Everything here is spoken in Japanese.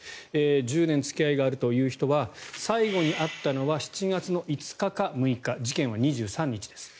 １０年付き合いがあるという人は最後に会ったのは７月５日か６日事件は２３日です。